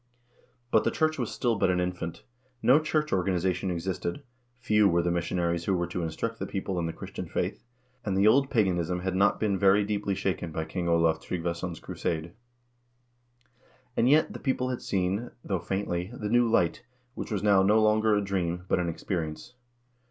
But the church was still but an infant. No church organization existed, few were the missionaries who were to instruct the people in the Christian faith, and the old paganism had not been very deeply shaken by King Olav Tryggvason's crusade. And yet, the people had seen, though faintly, the new light, which was now no longer a dream, but an experience.